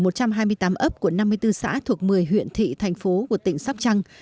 ở một trăm hai mươi tám ấp của năm mươi bốn xã thuộc một mươi huyện thị thành phố của tỉnh sóc trăng